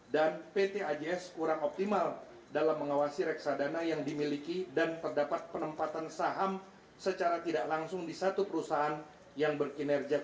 dan pt ajs kurang optimal dalam mengawasi reksadana yang dimiliki dan terdapat penempatan saham secara tidak langsung di satu perusahaan yang berkira